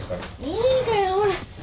いいからほら。